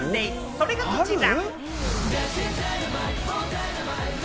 それがこちら。